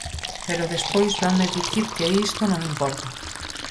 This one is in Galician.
Pero despois vénme dicir que isto non importa.